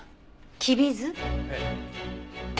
ええ。